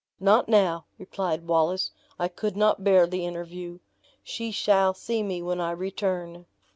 "Not now," replied Wallace, "I could not bear the interview she shall see me when I return."